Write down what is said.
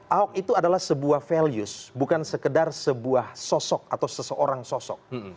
ahok itu adalah sebuah values bukan sekedar sebuah sosok atau seseorang sosok